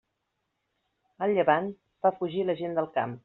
El llevant fa fugir la gent del camp.